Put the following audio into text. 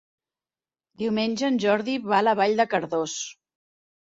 Diumenge en Jordi va a Vall de Cardós.